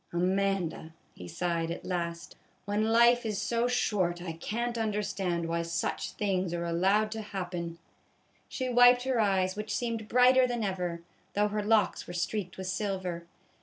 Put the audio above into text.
"Amanda," he sighed at last, "when life is so 176 A BAG OF POP CORN. short, I can't understand why such things are allowed to happen." She wiped her eyes, which seemed brighter than ever, though her locks were streaked with silver.